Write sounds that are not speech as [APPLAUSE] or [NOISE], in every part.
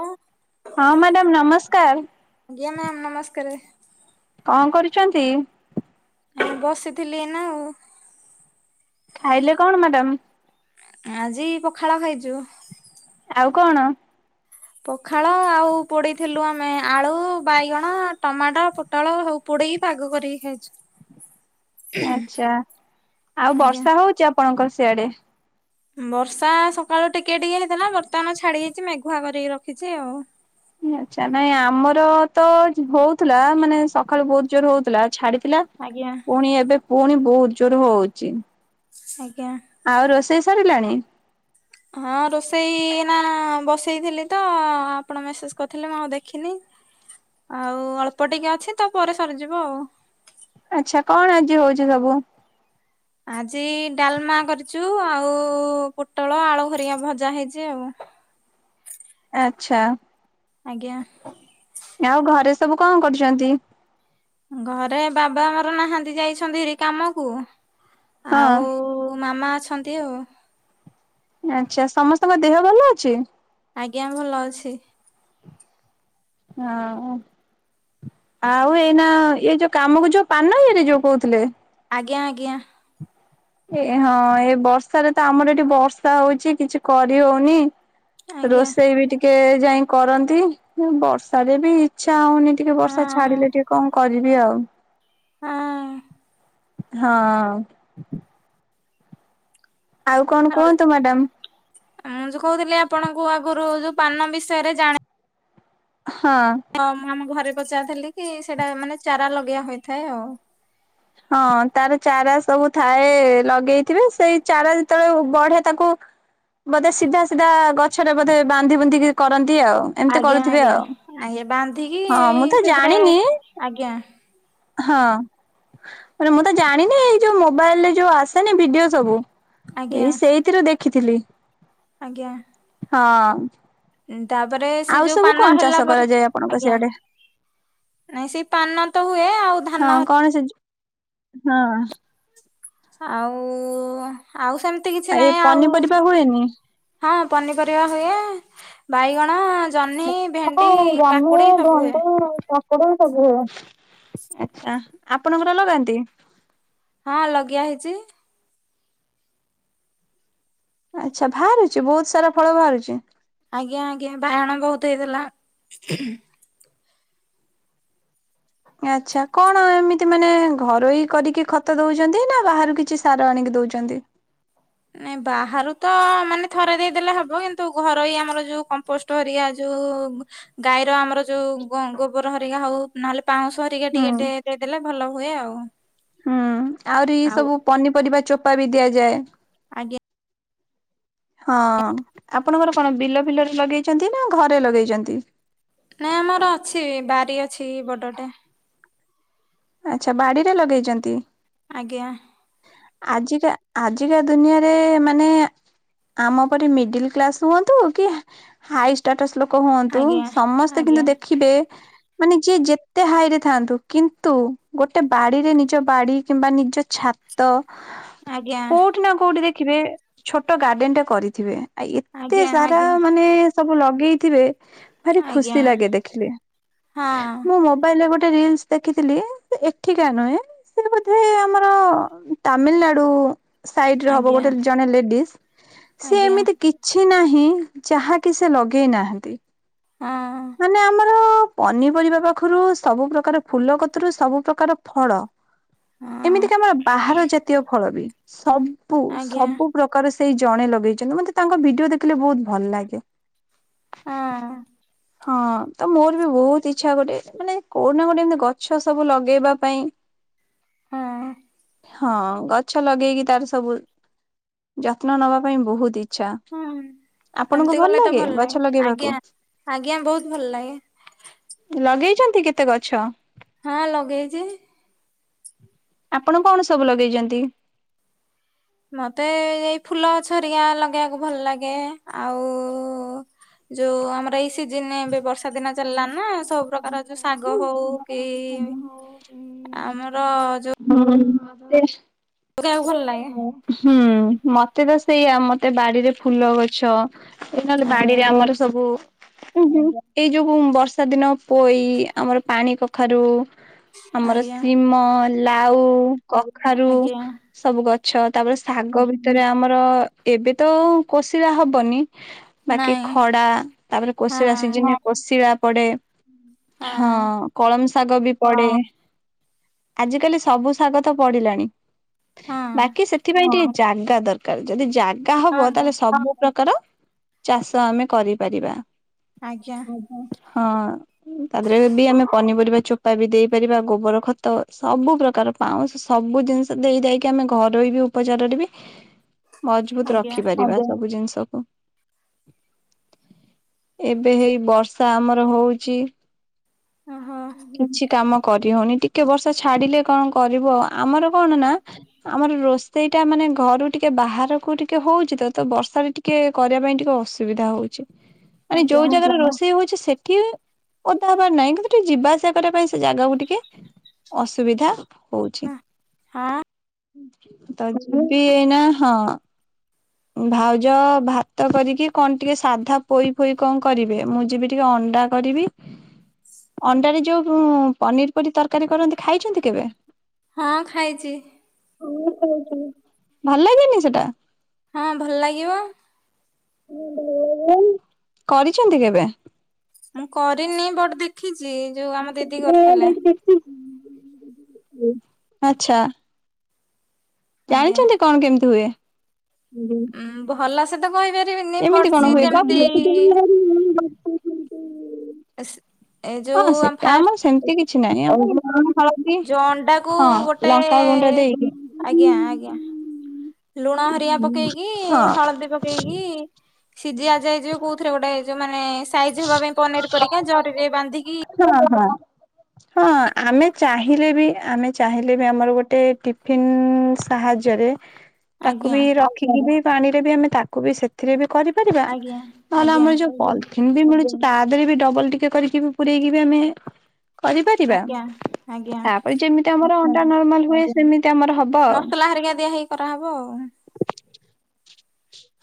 ହଁ ହଁ ମ୍ୟାଡ଼ାମ ନମସ୍କାର। ଆଜ୍ଞା ମ୍ୟାମ୍ ନମସ୍କାରେ। କଣ କରୁଛନ୍ତି? ମୁଁ ବସିଥିଲି ଏଇନା ଆଉ। ଖାଇଲେ କଣ ମ୍ୟାଡ଼ାମ? ଆଜି ପଖାଳ ଖାଇଛୁ। ଆଉ କଣ? ପଖାଳ ଆଉ ପୋଡିଥିଲୁ ଆମେ ଆଳୁ ବାଇଗଣ ଟମାଟୋ ପୋଟଳ ହଉ ପୋଡିକି ପାଗ କରିକି ଖାଇଚୁ। ଆଛା ଆଉ ଆଜ୍ଞା। ବର୍ଷା ହଉଛି ଆପଣଙ୍କର ସିଆଡେ? ବର୍ଷା ସକାଳୁ ଟିକେ ଟିକେ ହେଇଥିଲା ବର୍ତ୍ତମାନ ଛାଡି ଯାଇଚି ମେଘୁଆ କରିକି ରଖିଛି ଆଉ। ଆଚ୍ଛା ନାଇଁ ଆମର ତ ହଉଥିଲା ମାନେ ସକାଳୁ ବହୁତ ଜୋର ହଉଥିଲା ଛାଡିଥିଲା ଆଜ୍ଞା। ପୁଣି ଏବେ ପୁଣି ବହୁତ ଜୋର ହଉଚି। ଆଜ୍ଞା। ଆଉ ରୋଷେଇ ସରିଲାଣି? ହଁ ରୋଷେଇ ଏଇନା ବସେଇଥିଲି ତ ଆପଣ ମେସେଜ କରିଥିଲେ ମୁଁ ଆଉ ଦେଖିନି। ଆଉ ଅଳ୍ପ ଟିକେ ଅଛି ତ ପରେ ସରିଯିବ ଆଉ। ଆଛା କଣ ଆଜି ହୋଉଚି ସବୁ? ଆଜି ଡାଲମା କରିଚୁ ଆଉ ପୋଟଳ ଆଳୁ ହରିକା ଭଜା ହେଇଚି ଆଉ। ଏ ଆଛା। ଆଜ୍ଞା। ଆଉ ଘରେ ସବୁ କଣ କରୁଚନ୍ତି। ଘରେ ବାବା ଆମର ନାହାନ୍ତି ଯାଇଛନ୍ତିହାରି କାମକୁ। ହଁ ଆଉ ମାମା ଅଛନ୍ତି ଆଉ। ଆଚ୍ଛା ସମସ୍ତଙ୍କ ଦେହ ଭଲ ଅଛି। ଆଜ୍ଞା ଭଲ ଅଛି। ଆଉ। ଆଉ ଏଇନା ଇଏ ଯୋଉ କାମକୁ ଯୋଉ ପାନଗିରି ଯୋଉ କହୁଥିଲେ। ଆଜ୍ଞା ଆଜ୍ଞା। ଏ ହଁ ଏ ବର୍ଷାରେ ତ ଆମର ଏଠି ବର୍ଷା ହଉଚି କିଛି କରିହଉନି। ଆଜ୍ଞା। ରୋଷେଇ ବି ଟିକେ ଯାଇଁ କରନ୍ତି ବର୍ଷାରେ ବି ଇଚ୍ଛା ହଉନି। ଟିକେ ବର୍ଷା ହଁ ଛାଡିଲେ ଟିକେ କଣ କରିବି ଆଉ। ହଁ। ହଁ। ଆଉ କଣ କୁହନ୍ତୁ ମ୍ୟାଡ଼ାମ। ମୁଁ ଯୋଉ କହୁଥିଲି ଆପଣଙ୍କୁ ଆଗରୁ ଯୋଉ ପାନ ବିଷୟରେ ଜାଣେ ହଁ। ହଁ ମୁଁ ଆମ ଘରେ ପଚାରଥିଲି କି ସେଇଟା ମାନେ ଚାରା ଲଗେଇଆ ହୋଇଥାଏ ଆଉ। ହଁ ତାର ଚାରା ସବୁ ଥାଏ ଲଗେଇଥିବେ ସେଇ ଚାରା ଯେତେବେଳେ ବଢ଼େ ତାକୁ ବୋଧେ ସିଧା ସିଧା ଗଛରେ ବୋଧେ ବାନ୍ଧି ବୁନ୍ଧିକି କରନ୍ତି ଆଉ। ଏମିତି ଆଜ୍ଞା କରୁଥିବେ ଆଜ୍ଞା ଆଉ। ଆଜ୍ଞା ବାନ୍ଧିକି ହଁ ମୁଁ ଏଇ ତ ସେଥିରେ ଜାଣିନି ଆଜ୍ଞା। ହଁ। ମାନେ ମୁଁ ତ ଜାଣିନି ଏଇ ଯୋଉ ମୋବାଇଲ ରେ ଯୋଉ ଆସେନି ଭିଡିଓ ସବୁ। ଆଜ୍ଞା ଏଇ ସେଇଥିରୁ ଦେଖିଥିଲି। ଆଜ୍ଞା। ହଁ। ତାପରେ ସେ ଆଉ ଯୋଉ ସବୁ ପାନ କଣ ଚାଷ ହେଲା ପରେ କରାଯାଏ ଆପଣଙ୍କ ଆଜ୍ଞା। ସିଆଡେ ନାଇଁ ସେଇ ପାନ ତ ହୁଏ ଆଉ ହଁ ଧାନ। କଣ ସେ ଯୋଉ ହଁ। ଆଉ ଆଉ ସେମିତି କିଛି ଏ ନାହିଁ ଆଉ ପନିପରିବା ହୁଏନି? ହଁ ପନିପରିବା ହୁଏ ବାଇଗଣ ଜହ୍ନି ଭେଣ୍ଡି [UNINTELLIGIBLE] ଜହ୍ନି, କାକୁଡି ସବୁ ହୁଏ ଭେଣ୍ଡି [UNINTELLIGIBLE] ଆଛା ଆପଣଙ୍କର ଲଗାନ୍ତି। ହଁ ଲଗିଆ ହେଇଛି। ଆଚ୍ଛା ବାହାରୁଛି ବୋହୁତ ସାରା ଫଳ ବାହାରୁଛି। ଆଜ୍ଞା ଆଜ୍ଞା ବାଇଗଣ ବୋହୁତ ହେଇଥିଲା। ଆଚ୍ଛା କଣ ଏମିତି ମାନେ ଘରୋଇ କରିକି ଖତ ଦଉଛନ୍ତି ନା ବାହାରୁ କିଛି ସାର ଆଣିକି ଦଉଛନ୍ତି। ନାଇଁ ବାହାରୁ ତ ମାନେ ଥରେ ଦେଇଦେଲେ ହବ କିନ୍ତୁ ଘରୋଇ ଆମର ଯୋଉ କମ୍ପୋଷ୍ଟ ଟ ହେରିକା ଯୋଉ ଗାଈର ଆମର ଯୋଉ ଗୋବର ହରିକା ହଉ ନହେଲେ ପାଉଁଶ ହରିକା ହୁଁ ଟିକେ ଦେଇ ଦେଲେ ଭଲ ହୁଏ ଆଉ। ହୁଁ ଆହୁରି ଇ ଆଉ ସବୁ ପନିପରିବା ଚୋପା ବି ଦିଆଯାଏ। ଆଜ୍ଞା। ହଁ ଆପଣଙ୍କର କଣ ବିଲ ଫିଲରେ ଲଗେଇଚନ୍ତି ନା ଘରେ ଲଗେଇଚନ୍ତି। ନାଇଁ ଆମର ଅଛି ବାରି ଅଛି ବଡଟେ। ଆଚ୍ଛା ବାଡ଼ିରେ ଲଗେଇଛନ୍ତି। ଆଜ୍ଞା। ଆଜିକା ଆଜିକା ଦୁନିଆରେ ମାନେ ଆମ ପରି ମିଡିଲ କ୍ଲାସ ହୁଅନ୍ତୁ, କି ହାଇ ଷ୍ଟାଟସ୍ ଲୋକ ହୁଅନ୍ତୁ ଆଜ୍ଞା ସମସ୍ତେ କିନ୍ତୁ ଦେଖିବେ ମାନେ ଯିଏ ଯେତେ ହାଇ ରେ ଥାନ୍ତୁ କିନ୍ତୁ ଗୋଟେ ବାଡିରେ ନିଜ ବାଡି କିମ୍ବା ନିଜ ଛାତ ତ ଆଜ୍ଞା କୋଉଠି ନା କୋଉଠି ଦେଖିବେ ଛୋଟ ଗାର୍ଡେନ ଟା କରିଥିବେ। ଆ ଏତେ ଆଜ୍ଞା ଆଜ୍ଞା ସାରା ଆଜ୍ଞା ମାନେ ସବୁ ଲଗେଇଥିବେ ଭାରି ଆଜ୍ଞା ଖୁସି ଲାଗେ ଦେଖିଲେ, ହଁ ମୁଁ ମୋବାଇଲରେ ଗୋଟେ ରିଲସ୍ ଦେଖିଥିଲି, ଏଠିକା ନୁହେଁ ସେ ବୋଧେ ଆମର ତାମିଲନାଡୁ ସାଇଡ ରେ ହବ ଆଜ୍ଞା ଗୋଟେ ଜଣେ ଲେଡିସ୍, ସି ଆଜ୍ଞା ଏମିତି କି କିଛି ନାହିଁ, ଯାହାକି ସେ ଲଗେଇ ନାହାନ୍ତି। ହଁ। ମାନେ ଆମର ପନିପରିବା ପାଖରୁ ସବୁ ପ୍ରକାର ଫୁଲ କତରୁ, ସବୁ ପ୍ରକାର ଫଳ। ହଁ ଏମିତିକା ଆମର ବାହାର ଜାତୀୟ ଫଳ ବି ସବୁ ଆଜ୍ଞା ସବୁ ପ୍ରକାର ସେଇ ଜଣେ ଲଗେଇଛନ୍ତି ମତେ ତାଙ୍କ ଭିଡିଓ ଦେଖିଲେ ବହୁତ ଭଲ ଲାଗେ। ହଁ। ହଁ ତ ମୋର ବି ବହୁତ ଇଚ୍ଛା ଗୋଟେ ମାନେ କୋଉଠି ନା କୋଉଠି ଏମତି ଗଛ ସବୁ ଲଗେଇବା ପାଇଁ। ହଁ। ହଁ ଗଛ ଲଗେଇକି ତାର ସବୁ ଯତ୍ନ ନବା ପାଇଁ ବହୁତ ଇ ଆଛା ହଁ ଏମିତି ଆପଣଙ୍କୁ କଲେ ଭଲ ତ ଲାଗେ ଗଛ ଆଜ୍ଞା ଲଗେଇବାକୁ? ଆଜ୍ଞା ବହୁତ ଭଲ ଲାଗେ। ଲଗେଇଛନ୍ତି କେତେ ଗଛ। ହଁ ଲଗେଇଚି। ଆପଣ କଣ ସବୁ ଲଗେଇଜନ୍ତି? ମତେ ଏଇ ଫୁଲ ଗଛ ଅରିକା ଲଗେଇବାକୁ ଭଲ ଲାଗେ, ଆଉ ଯୋଉ ଆମର ଏଇ ସିଜନରେ ଏବେ ବର୍ଷା ଦିନ ଚାଲିଲା ନା ହୁଁ ସବୁ ବର୍ଷା ଦିନ ପ୍ରକାର ଯୋଉ ଗଲାନା ସବୁ ସାଗ ହଉ ପ୍ରକାର କି, ଯୋଉ ଶାଗ ଆମର ଯୋଉ ହଁ ଇସ୍। ଗାଇବାକୁ ଭଲ ଲାଗେ ହୁଁ ମତେ ତ ସେଇଆ ମତେ ବାଡିରେ ଫୁଲ ଗଛ, ନହେଲେ ଆଜ୍ଞା ବାଡିରେ ଆମର ସବୁ ଏଇ ଯୋଉ ବର୍ଷା ଦିନ ପୋଇ, ଆମର ପାଣି କଖାରୁ ଆମର ଆଜ୍ଞା ଶିମ, ଲାଉ, କଖାରୁ ଆଜ୍ଞା ସବୁ ଗଛ ତାପରେ ଶାଗ ଭିତରେ ଆମର, ଏବେ ତ କୋଷିଳା ହବନି ବାକି ନାଇଁ ଖଡା, ତାପରେ ହଁ କୋଷିଳା ସିଜିନ୍ ରେ କଷିଳା ପଡେ, ହଁ କଳମ ଶାଗ ବି ପଡେ। ଆଜିକାଲି ସବୁ ଶାଗ ତ ପଢିଲାଣି, ହଁ ବାକି ସେଥିପାଇଁ ଟି ଜାଗା ଦରକାର, ଯଦି ଜାଗା ହଁ ହବ ତ ତାହେଲେ ସବୁ ପ୍ରକାର ଚାଷ ଆମେ କରିପାରିବା। ଆଜ୍ଞା। ହଁ। ତା ପରେ ବି ଆମେ ପନିପରିବା ଚୋପା ବି ଦେଇପାରିବା, ଗୋବର ଖତ, ସବୁ ପ୍ରକାର ପାଉଁଶ, ସବୁ ଜିନିଷ ଦେଇଦାଇକି ଆମେ ଘରୋଇ ବି ଉପଚାରରେ ବି ହଁ [UNINTELLIGIBLE] ମଜବୁତ ରଖିପାରିବା ସବୁ ଜିନିଷକୁ। ଏବେ ହେଇ ବର୍ଷା ଆମର ହଉଚି। ଓହୋ କିଛି କାମ କରି ହଉନି ଟିକେ ବର୍ଷା ଛାଡିଲେ କଅଁ କରିବୁ ଆଉ, ଆଁ ଆମର କଣ ନା ଆମର ରୋଷ ସେଇଟା ମାନେ ଘରୁ ଟିକେ ବାହାରକୁ ଟିକେ ହଉଛି ତ ତ ବର୍ଷା ଵି ଟିକେ କରିବା ପାଇଁ ଟିକେ ଅସୁବିଧା ହଉଚି। [INAUDIBLE] ମାନେ ଯୋଉ ଜାଗାରେ ରୋଷ ସେ ହଉଛି ସେଠି ଓଦା ହେବାର ନାହିଁ, କିନ୍ତୁ ଟିକେ ଯିବା ଆସିବା କରିବା ପାଇଁ ସେ ଜାଗାକୁ ଟିକେ ଅସୁବିଧା। ହଉଛି ହଁ ତ ନା ହଁ,। ଭାଉଜ ଭାତ କରିକି କଣ ଟିକେ ସାଧା ପୋଇ ଫୋଇ କଣ କରିବେ ମୁଁ ଯିବି ଟିକେ ଅଣ୍ଡା କରିବି ଅଣ୍ଡାରେ ଯୋଉ ପନିର ପରି ତରକାରୀ କରନ୍ତି ଖାଇଛନ୍ତି କେବେ ହଁ ଖାଇଛି। ଭଲ ଲାଗେନି ସେଟା? ହଁ ଭଲ ଲାଗିବ। କରିଛନ୍ତି କେବେ? ମୁଁ କରିନି ବଟ ଦେଖିଛି। ଯୋଉ ଆମ ଦିଦି କରିଥିଲେ ଆଚ୍ଛା। ଆଜ୍ଞା ଜାଣିଛନ୍ତି କଣ କେମିତି ହୁଏ? ଭଲ ସେ ତ କହିପାରିବିନି କେମିତି ବଟ କଣ ସିଏ ହୁଏ କହିଲେ? ଯେମିତି ଏ ଯୋଉ ଆମ ଫାଷ୍ଟ୍ ସେମତି କିଛି ନାହିଁ ଆଉ ହଳଦୀ ଯୋଉ ଅଣ୍ଡାକୁ ହଁ ଗୋଟେ ଲଙ୍କାଗୁଣ୍ଡ ଦେଇକି ଆଜ୍ଞା ଆଜ୍ଞା। ଲୁଣ ହେରିଆ ପକେଇକି ହଁ। ହଳଦୀ ପକେଇକି ସିଝିଆ ଯାଏ ଯଉ କୋଉଥିରେ ଗୋଟେ ଯଉ ମାନେ ସାଇଜ ହବା ପାଇଁ ପନିର ପରିକା ଜରିରେ ବାନ୍ଧିକି ହଁ ହଁ। ହଁ ଆମେ ଚାହିଁଲେ ବି ଆମେ ଚାହିଁଲେ ବି ଆମର ଗୋଟେ ଟିଫନ୍ ସାହାଯ୍ୟରେ ତାକୁ ଆଜ୍ଞା ବି ରଖିକି ବି ପାଣି ରେ ବି ଆମେ ତାକୁ ବି ସେ ସେଥିରେ ବି କରିପାରିବା ଆଜ୍ଞା ନହେଲେ ଆଜ୍ଞା ଆମର ଯୋଉ ହିନ୍ଦୀ ମିଳୁଛି ତା ଦେହେରେ ବି ଡବଲ ଟିକେ କରିକି ବି ପୁରେଇକି ଆମେ କରିପାରିବା ଆଜ୍ଞା ଆଜ୍ଞା ତାପରେ ଯେମିତି ଆମର ଅଣ୍ଡା ନର୍ମାଲ ହୁଏ ସେମିତି ଆମର ହବ ଆଉ। [UNINTELLIGIBLE] କରାହେବ ଆଉ।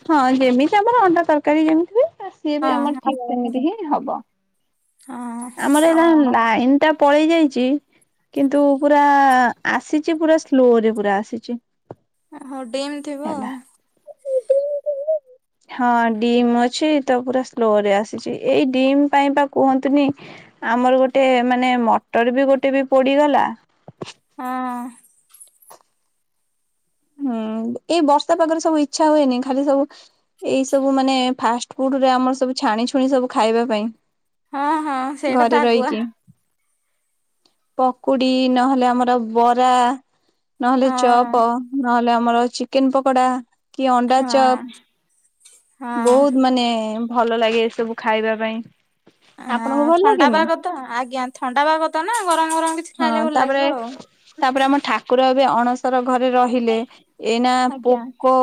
ହଁ ଯେମିତି ଆମର ଅଣ୍ଡା ତରକାରୀ ଯେମିତି ହୁଏ ସିଏ ବି ଆମର ହଁ ହଁ ଠିକ୍ ସେମିତି ହିଁ ହବ ହଁ ଆମର ଏ ଲାଇନ ଟା ପଳେଇ ଯାଇଚି କିନ୍ତୁ ପୁରା ଆସିଚି ପୁରା ସ୍ଲୋରେ ପୁରା ଆସିଚି। ହଉ ଡିମ୍ ଥିବ। ହଁ ଡିମ୍ ଅଛି ତ ପୁରା ସ୍ଲୋ ରେ ଆସିଛି ଏଇ ଡିମ୍ ପାଇଁ ବା କୁହନ୍ତୁନି ଆମର ଗୋଟେ ମାନେ ମଟର ବି ଗୋଟେ ବି ପୋଡିଗଲା। ହଁ। ହୁଁ ଏଇ ବର୍ଷା ପାଗରେ ସବୁ ଇଚ୍ଛା ହୁଏନି ଖାଲି ସବୁ ଏଇ ସବୁ ମାନେ ଫାଷ୍ଟ ଫୁଡ ରେ ଆମର ସବୁ ଛାଣି ଛୁଣି ସବୁ ଖାଇବା ପାଇଁ। ହଁ ହଁ ସେଇଟା ତ ଘରେ ଆଗୁଆ ରହିଖି। ପକୁଡି ନହେଲେ ଆମର ବରା। ନହେଲେ ହଁ ଚପ୍ ନହେଲେ ଆମର ଚିକେନ ପକୋଡା। କି ଅଣ୍ଡା ହଁ ଚପ ହଁ। ବହୁତ ମାନେ ଭଲ ଲାଗେ। ସବୁ ଖାଇବା ପାଇଁ। ହଁ ଆପଣଙ୍କୁ ଭଲ ଥଣ୍ଡା ଲାଗେନି ପାଗ ତ ଆଜ୍ଞା ଥଣ୍ଡା ପାଗ ତ ନା ଗରମ ଗରମ କିଛି ହଁ ଖାଇଲେ ଭଲ ତାପରେ ଲାଗିବ ଆଉ। ତାପରେ ଆମ ଠାକୁର ଏବେ ଅଣସର ଘରେ ରହିଲେ ଏଇନା ଆଜ୍ଞା ପୋକ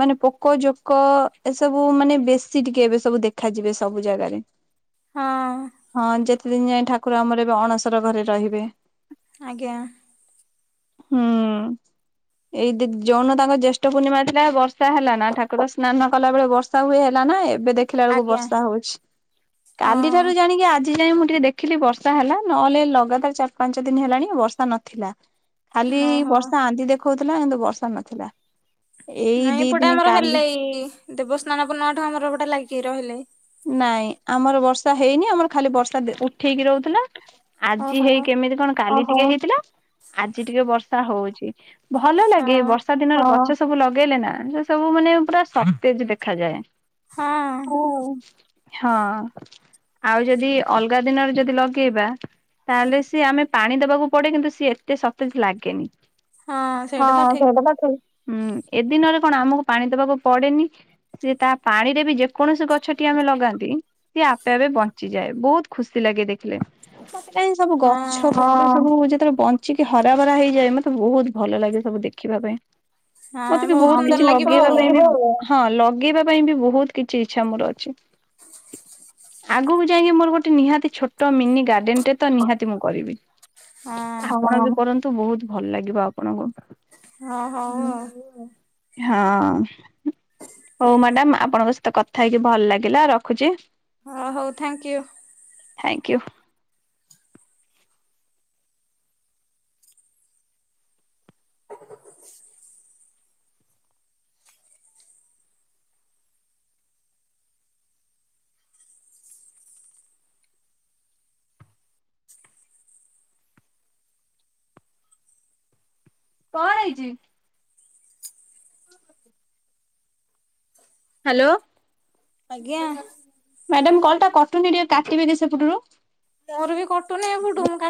ମାନେ ପୋକ ପୋକ ଜୋକ ଏସବୁ ମାନେ ବେଶୀ ଟିକେ ଏବେ ସବୁ ଦେଖାଯିବେ ସବୁ ଜାଗାରେ। ହଁ ହଁ ଯେତେ ଦିନ ଯାଏ ଠାକୁର ଆମର ଏବେ ଅଣସର ଘରେ ରହିବେ। ଆଜ୍ଞା। ହୁଁ। ଏଇ ଯଉନ ଦିନ ତାଙ୍କ ଜେଷ୍ଠ ପୂର୍ଣ୍ଣିମା ଥିଲା ବର୍ଷା ହେଲା ନା ଠାକୁର ସ୍ନାନ କଲା ବେଳେ ବର୍ଷା ହୁଏ ହେଲା ନା ଏ ଏବେ ଦେଖିଲା ବେଳକୁ ଆଜ୍ଞା ବର୍ଷା ହଉଛି ହଁ କାଲି ଠାରୁ ଜାଣିକି ଆଜି ଯାଇ ମୁଁ ଟିକେ ଦେ ଦେଖିଲି ବର୍ଷା ହେଲା ନହେଲେ ଲଗାତାର ଚାରି ପାଞ୍ଚ ଦିନ ହେଲାଣି ବର୍ଷା ନଥିଲା। ଖାଲି ଓହୋ। ବର୍ଷା ଆନ୍ତି ଦେଖଉଥିଲା କିନ୍ତୁ ବର୍ଷା ନଥିଲା। ଏଇ ନାଇଁ ଦି ଏପଟେ ଦିନ ଆମର କାଲି ହେଲେ ଏଇ ଦେବସ୍ନାନ ପୂର୍ଣ୍ଣମିଠୁ ଆମର ଏପଟେ ଲାଗିକି ରହିଲେ। ନାଇଁ ଆମର ବର୍ଷା ହେଇନି ଆମର ଖାଲି ବର୍ଷା ଉଠେଇକି ରହୁଥିଲା। ଆଜି ଓହୋ ହେଇ କେମିତି କଣ କାଲି ଟିକେ ହେଇଥିଲା। ଆଜି ଟିକେ ବର୍ଷା ହଉଛି। ଭଲ ଲାଗେ ହଁ ବର୍ଷା ଦିନରେ ଗଛ ସବୁ ଲଗେଇଲେ ନା ସେ ସବୁ ମାନେ ପୁରା ସତଜ ଦେଖାଯାଏ। ହଁ। ହଁ ଆଉ ଯଦି ଅଲଗା ଦିନରେ ଯଦି ଲଗେଇବା ତାହେଲେ ସିଏ ଆମେ ପାଣି ଦବାକୁ ପଡେ କିନ୍ତୁ ସିଏ ଏତେ ସତେଜ ଲାଗେନି। ହଁ ସେଇଟା ତ ହଁ ଠିକ। ସେଇ [UNINTELLIGIBLE] ହୁଁ ଏ ଦିନରେ କଣ ଆମକୁ ପାଣି ଦବାକୁ ପଡେନି ସିଏ ତା ପାଣିରେ ବି ଯେକୌଣସି ଗଛ [UNINTELLIGIBLE] ଲଗାନ୍ତି ସିଏ ଆପେ ଆପେ ବଞ୍ଚିଯାଏ ବହୁତ ଖୁସି ଲାଗେ ଦେଖ ହଁ [UNINTELLIGIBLE] ଚିକି ହରାଭରା ହେଇଯାଏ ମତେ ବହୁତ ଭଲ ଲାଗେ ସବୁ ଦେଖିବା ପାଇଁ। ହଁ ମତେ ବି ବହୁତ ସୁନ୍ଦର କିଛି ଲାଗିବ ଲଗେଇବା ଆଉ ହଁ। ପାଇଁ ବି ହଁ ଲଗେଇବା ପାଇଁ ବି ବହୁତ କିଛି ଇଚ୍ଛା ମୋର ଅଛି। ଆଗକୁ ଯାଇକି ମୋର ଗୋଟେ ନିହାତି ଛୋଟ ମିନି ଗାର୍ଡେନ ରେ ତ ନିହାତି ମୁଁ କରିବି। [UNINTELLIGIBLE] ବି କରନ୍ତୁ ବହୁତ ଭଲ ଲାଗିବ ଆପଣଙ୍କୁ। ହଁ ହଉ ଆଉ [UNINTELLIGIBLE] ହଁ ହଉ ମ୍ୟାଡାମ ଆପଣଙ୍କ ସହିତ କଥା ହେଇକି ଭଲ ଲାଗେ ଟିଲା ରଖୁଚି। ହ ହଉ ଥ୍ୟାଙ୍କୟୁ। ଥ୍ୟାଙ୍କୟୁ। କଣ ହେଇଚି। ହ୍ୟାଲୋ ଆଜ୍ଞା ମ୍ୟାଡାମ କଲ ଟା କଟୁନି ଟିକେ କାଟିବେ କି ସେପଟରୁ। ମୋର ବି କଟୁନି ଏପଟୁ ମୁଁ କା